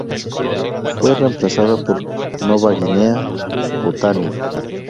Fue reemplazada por "Nova Guinea, Botany".